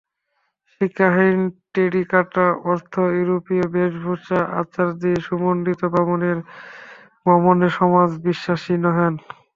শিখাহীন টেড়িকাটা, অর্ধ-ইউরোপীয় বেশভূষা-আচারাদি-সুমণ্ডিত ব্রাহ্মণের ব্রহ্মণ্যে সমাজ বিশ্বাসী নহেন।